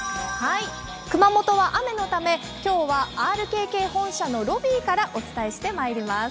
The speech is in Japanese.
熊本は雨のため今日はＲＫＫ本社のロビーからお伝えしてまいります。